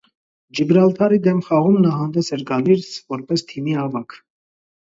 Ջիբրալթարի դեմ խաղում նա հանդես էր գալիս որպես թիմի ավագ։